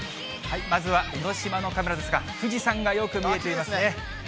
まずは江の島のカメラですが、富士山がよく見えていますね。